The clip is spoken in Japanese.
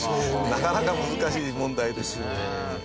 なかなか難しい問題ですよ。